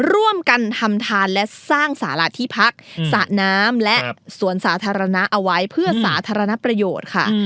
ร่วมกันทำทานและสร้างสาระที่พักสระน้ำและสวนสาธารณะเอาไว้เพื่อสาธารณประโยชน์ค่ะ